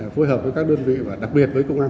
phối hợp với các đơn vị và đặc biệt với công an hà nam